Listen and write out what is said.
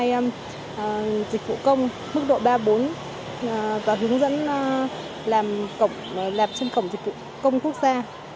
triển khai dịch vụ công mức độ ba bốn và hướng dẫn làm chân cổng dịch vụ công quốc gia